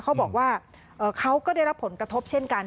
เขาบอกว่าเขาก็ได้รับผลกระทบเช่นกัน